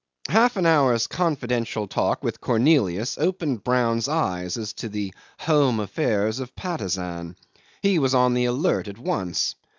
'Half an hour's confidential talk with Cornelius opened Brown's eyes as to the home affairs of Patusan. He was on the alert at once.